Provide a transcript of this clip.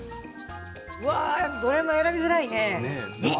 どれも選びづらいね。